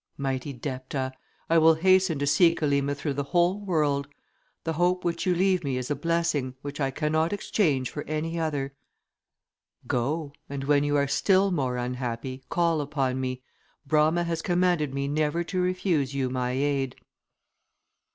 "Mighty Depta, I will hasten to seek Elima through the whole world. The hope which you leave me is a blessing, which I cannot exchange for any other." "Go! and when you are still more unhappy, call upon me. Brama has commanded me never to refuse you my aid."